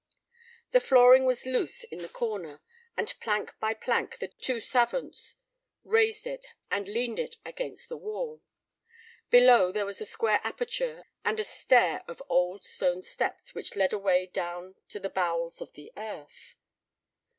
The flooring was loose in the corner, and plank by plank the two savants raised it and leaned it against the wall. Below there was a square aperture and a stair of old stone steps which led away down into the bowels of the earth.